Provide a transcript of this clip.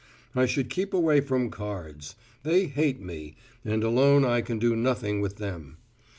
I should keep away from cards they hate me, and alone I can do nothing with them.